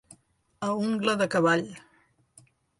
A ungla de cavall.